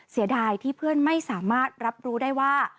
เสียดายที่เพื่อนไม่สามารถรับรู้ได้ว่า